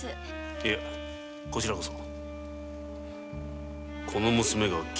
いやこちらこそ。